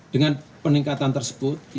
dengan peningkatan tersebut